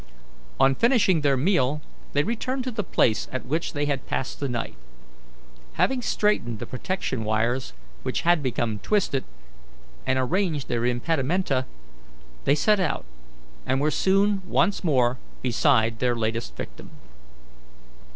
On finishing their meal they returned to the place at which they had passed the night. Having straightened the protection wires, which had become twisted, and arranged their impedimenta, they set out, and were soon once more beside their latest victim.